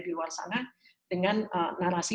di luar sana dengan narasi